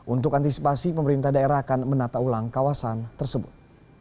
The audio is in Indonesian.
untuk antisipasi pemerintah daerah akan menata ulang kawasan tersebut